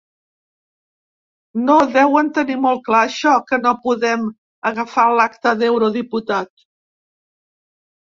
No deuen tenir molt clar això que no podrem agafar l'acta d'eurodiputat.